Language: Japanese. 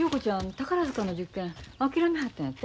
宝塚の受験諦めはったんやて？